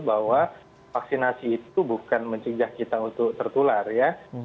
bahwa vaksinasi itu bukan mencegah kita untuk tertular ya